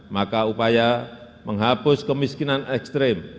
maka upaya menghapus kemiskinan ekstrim